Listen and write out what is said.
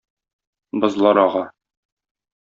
Бозлар ага...